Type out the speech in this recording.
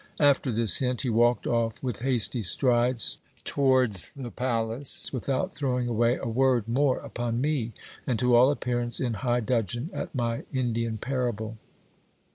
After this hint he walked off with hasty strides towards the palace without throwing away a word more upon me, and to all appearance in high dudgeon at my Indian parable.